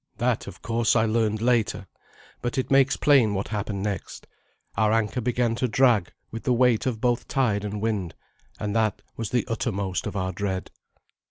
That, of course, I learned later, but it makes plain what happened next. Our anchor began to drag with the weight of both tide and wind, and that was the uttermost of our dread.